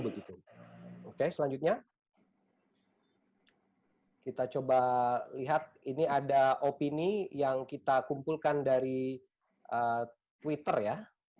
oke selanjutnya kita coba lihat ini ada opini yang kita kumpulkan dari twitter ya